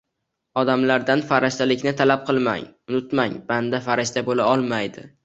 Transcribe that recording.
Odamlardan "farishta"likni talab qilmang, unutmang banda farishta bo‘la olmaydi